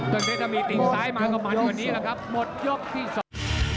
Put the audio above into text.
ต้นเพชรถ้ามีติดซ้ายมาก็มาที่วันนี้นะครับหมดยกที่สอง